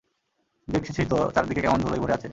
দেখছিসই তো, চারিদিকে কেমন ধুলোয় ভরে আছে।